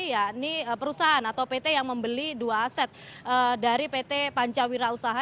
yakni perusahaan atau pt yang membeli dua aset dari pt pancawira usaha